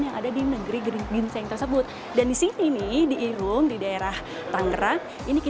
yang ada di negeri gerintin tersebut dan disini nih diirung di daerah tangerang ini